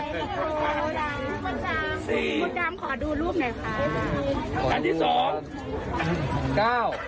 มดดำขอดูรูปหน่อยค่ะ